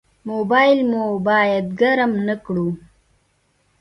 موبایل مو باید ګرم نه کړو.